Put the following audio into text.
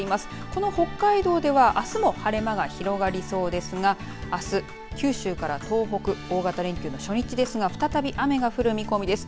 この北海道ではあすも晴れ間が広がりそうですがあす、九州から東北、大型連休の初日ですが再び雨が降る見込みです。